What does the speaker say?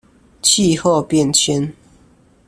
氣候變遷